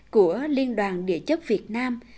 của liên đoàn địa chất việt nam